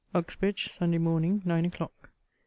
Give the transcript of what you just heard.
UXBRIDGE, SUNDAY MORN. NINE O'CLOCK.